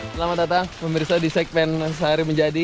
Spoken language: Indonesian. selamat datang pemirsa di segmen sehari menjadi